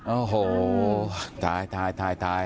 โอ้โหตาย